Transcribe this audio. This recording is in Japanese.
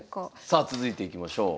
さあ続いていきましょう。